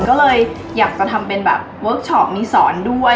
ก็เลยอยากจะทำเป็นแบบเวิร์คชอปมีสอนด้วย